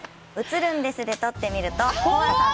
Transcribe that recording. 写ルンですで撮ってみると怖さ